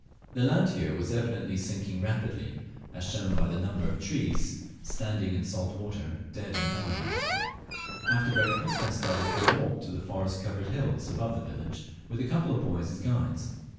The land here was evidently sinking rapidly, as shown by the number of trees standing in salt water dead and dying. After breakfast I started for a walk to the forest covered hill above the village, with a couple of boys as guides.